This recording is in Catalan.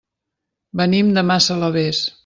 Venim de Massalavés.